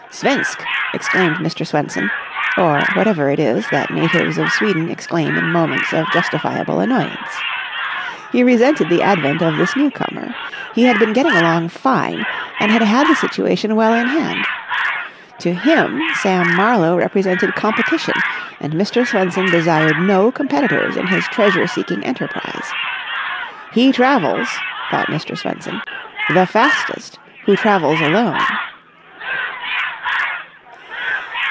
"Svensk!" exclaimed Mr. Swenson, or whatever it is that natives of Sweden exclaim in moments of justifiable annoyance. He resented the advent of this newcomer. He had been getting along fine and had had the situation well in hand. To him Sam Marlowe represented Competition, and Mr. Swenson desired no competitors in his treasure seeking enterprise. He travels, thought Mr. Swenson, the fastest who travels alone.